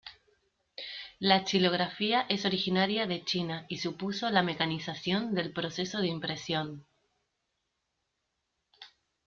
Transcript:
La xilografía es originaria de China y supuso la mecanización del proceso de impresión.